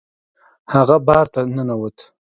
هغه بار ته ننوت.